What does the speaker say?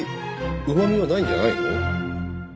うまみはないんじゃないの？